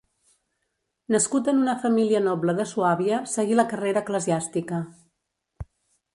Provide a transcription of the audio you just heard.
Nascut en una família noble de Suàbia, seguí la carrera eclesiàstica.